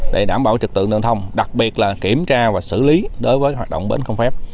để đảm bảo trực tự nội địa không phép đặc biệt là kiểm tra và xử lý đối với hoạt động bến không phép